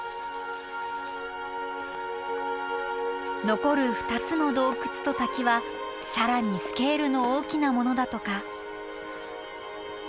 残る２つの洞窟と滝は更にスケールの大きなものだとか。